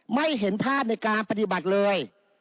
ไม่เห็นภาพในการปฏิบัติเลย